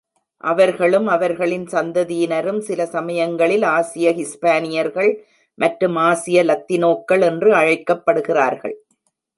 அவர்களும் அவர்களின் சந்ததியினரும் சில சமயங்களில் ஆசிய ஹிஸ்பானியர்கள் மற்றும் ஆசிய லத்தினோக்கள் என்று அழைக்கப்படுகிறார்கள்.